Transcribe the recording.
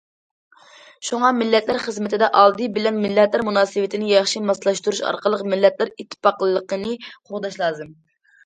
شۇڭا، مىللەتلەر خىزمىتىدە ئالدى بىلەن مىللەتلەر مۇناسىۋىتىنى ياخشى ماسلاشتۇرۇش ئارقىلىق مىللەتلەر ئىتتىپاقلىقىنى قوغداش لازىم.